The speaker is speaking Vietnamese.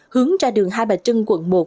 hướng ra đường hai bà trưng quận một